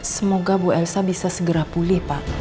semoga bu elsa bisa segera pulih pak